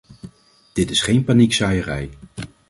Dit is geen paniekzaaierij.